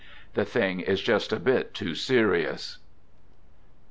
The thing is just a bit too serious.